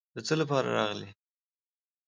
د څه لپاره راغلې.